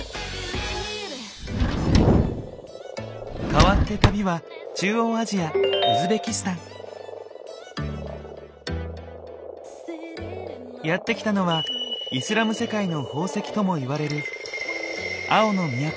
変わって旅は中央アジアやって来たのは「イスラム世界の宝石」ともいわれる青の都